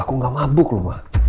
aku gak mabuk loh mbak